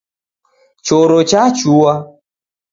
Choro chachua.